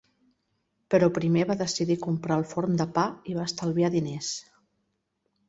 Però primer va decidir comprar el forn de pa i va estalviar diners.